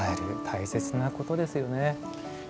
大切なことですよね。